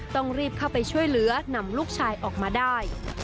ต้องรีบเข้าไปช่วยเหลือนำลูกชายออกมาได้